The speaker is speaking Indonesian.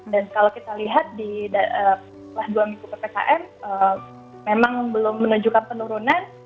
dan kalau kita lihat di kelas dua m itu ppkm memang belum menunjukkan penurunan